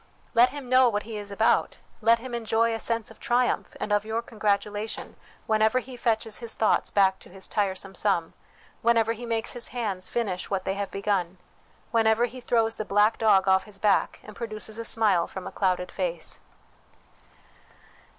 Let him know what he is about, let him enjoy a sense of triumph, and of your congratulation, whenever he fetches his thoughts back to his tiresome sum, whenever he makes his hands finish what they have begun, whenever he throws the black dog off his back, and produces a smile from a clouded face.